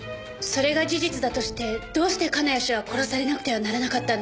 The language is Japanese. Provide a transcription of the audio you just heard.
それが事実だとしてどうして金谷氏は殺されなくてはならなかったのでしょう？